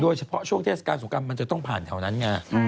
โดยเฉพาะช่วงเทศกาลสุกรรมมันจะต้องผ่านแถวนั้นไง